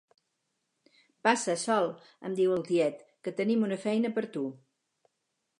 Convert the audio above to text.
Passa, Sol —em diu el tiet—, que tenim una feina per a tu.